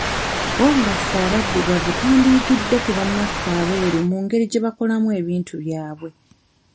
Wabula ffe abaddugavu twandiyigidde ku bannaffe abeeru mu ngeri gye bakolamu ebintu byabwe.